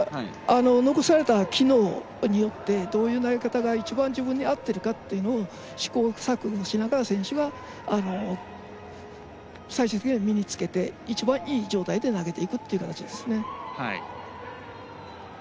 残された機能によってどういう投げ方が一番、自分に合っているかというのを試行錯誤しながら選手が最終的には身につけて、一番いい状態で投げていくという形です。